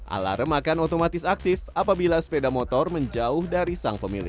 alarm akan otomatis aktif apabila sepeda motor menjauh dari sang pemilik